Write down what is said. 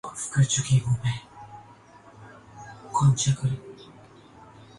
کہ نیم حکیم اور خطرہ جان ، کس کام کے پیچھے پڑ گئے ہو